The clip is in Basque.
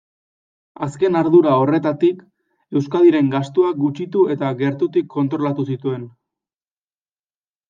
Azken ardura horretatik, Euskadiren gastuak gutxitu eta gertutik kontrolatu zituen.